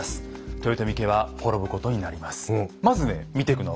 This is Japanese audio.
豊臣家は滅ぶことになります。